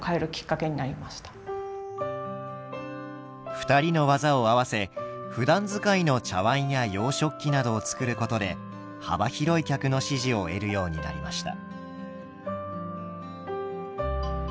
２人の技を合わせふだん使いの茶わんや洋食器などを作ることで幅広い客の支持を得るようになりました。